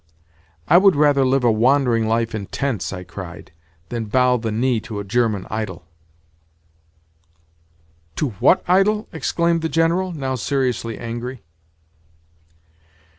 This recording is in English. "I would rather live a wandering life in tents," I cried, "than bow the knee to a German idol!" "To what idol?" exclaimed the General, now seriously angry.